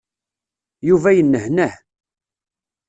Yuba yenehneh.